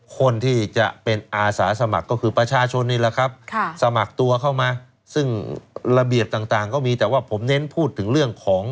คนที่จะเป็นอาสาสมัครก็คือประชาชนนี่แหละครับสมัครตัวเข้ามาซึ่งระเบียบต่างก็มีแต่ว่าผมเน้นพูดถึงเรื่องของ